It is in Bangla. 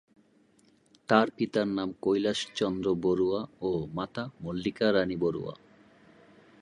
তার পিতার নাম কৈলাশ চন্দ্র বড়ুয়া ও মাতা মল্লিকা রানী বড়ুয়া।